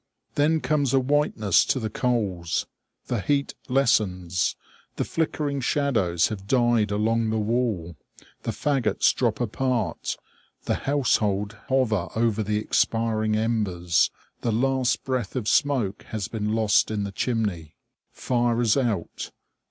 Then comes a whiteness to the coals. The heat lessens. The flickering shadows have died along the wall. The fagots drop apart. The household hover over the expiring embers. The last breath of smoke has been lost in the chimney. Fire is out.